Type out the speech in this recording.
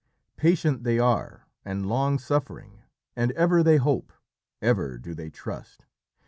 Patient they are and long suffering, and ever they hope, ever do they trust.